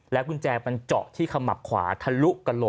กุญแจมันเจาะที่ขมับขวาทะลุกระโหล